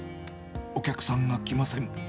お客さんが来ません。